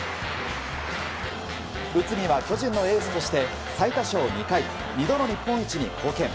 内海は巨人のエースとして最多勝２回２度の日本一に貢献。